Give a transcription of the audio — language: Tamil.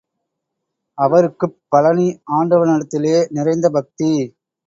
அவருக்குப் பழநி ஆண்டவனிடத்திலே நிறைந்த பக்தி.